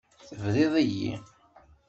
Tebriḍ-iyi.